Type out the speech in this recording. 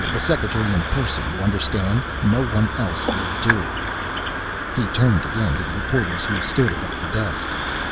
The secretary in person, you understand. No one else will do." He turned again to the reporters who stood about the desk.